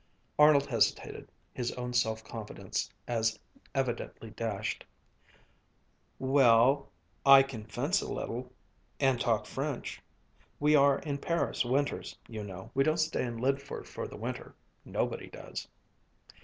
Arnold hesitated, his own self confidence as evidently dashed. "Well I can fence a little and talk French; we are in Paris winters, you know. We don't stay in Lydford for the winter. Nobody does."